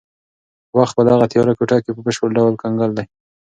وخت په دغه تیاره کوټه کې په بشپړ ډول کنګل دی.